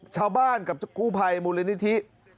ชาวบ้านกับกู้ภัยมูลนิธิ